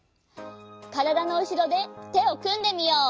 からだのうしろでてをくんでみよう。